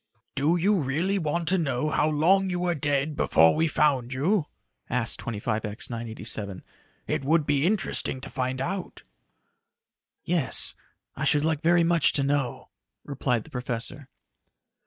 "Do you really want to know how long you were dead before we found you?" asked 25X 987. "It would be interesting to find out." "Yes, I should like very much to know," replied the professor.